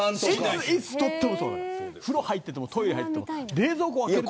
風呂入っててもトイレ入ってても冷蔵庫開けても。